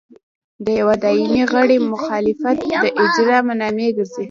د یوه دایمي غړي مخالفت د اجرا مانع ګرځي.